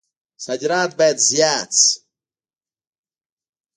صادرات باید زیات شي